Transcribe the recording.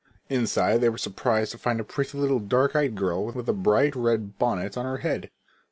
Inside they were surprised to find a pretty little dark eyed girl with a bright red bonnet on her head.